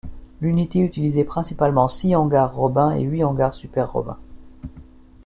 L'unité utilisait principalement six hangars Robin et huit hangars Super Robin.